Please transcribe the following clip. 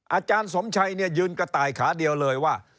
อาจารย์สมชัยยืนกระต่ายขาเดียวเลยว่า